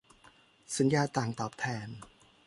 สัญญาต่างตอบแทน